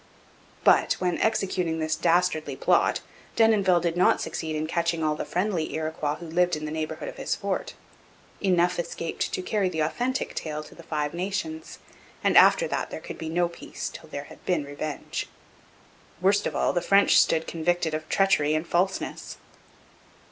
But, when executing this dastardly plot, Denonville did not succeed in catching all the friendly Iroquois who lived in the neighbourhood of his fort. Enough escaped to carry the authentic tale to the Five Nations, and after that there could be no peace till there had been revenge. Worst of all, the French stood convicted of treachery and falseness.